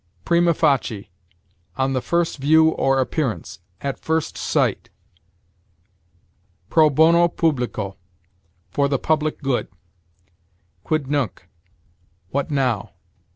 Prima facie: on the first view or appearance; at first sight. Pro bono publico: for the public good. Quid nunc: what now?